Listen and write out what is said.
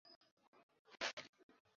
দুপুরে খাবার পরই আমাকে আমার ঘরে আটকে দেন।